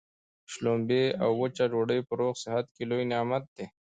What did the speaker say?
شلومبې او وچه ډوډۍ په روغ صحت کي لوی نعمت دی.